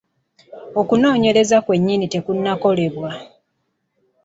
Okunoonyereza kwennyini tekunnakolebwa.